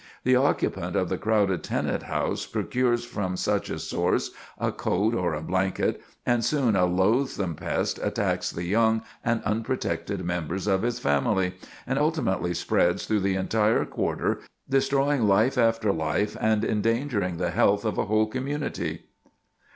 The occupant of the crowded tenant house procures from such a source a coat or a blanket, and soon a loathsome pest attacks the young and unprotected members of his family, and ultimately spreads through the entire quarter, destroying life after life and endangering the health of a whole community.